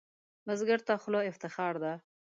بزګر ته خوله افتخار ده